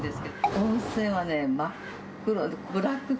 温泉はね、真っ黒。